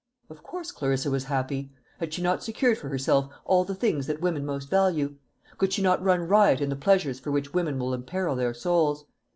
Of course Clarissa was happy. Had she not secured for herself all the things that women most value? could she not run riot in the pleasures for which women will imperil their souls?